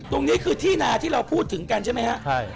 ตรงนี้คือที่นาที่เราพูดถึงกันใช่ไหมครับ